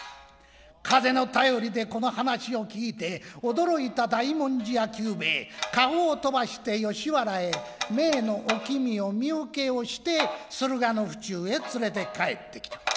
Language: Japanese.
風の便りでこの話を聞いて驚いた大文字屋久兵衛駕籠を飛ばして吉原へ姪のおきみを身請けをして駿河の府中へ連れて帰ってきた。